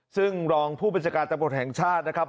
ซึ่งรองผู้บัญชาการตำรวจแห่งชาตินะครับ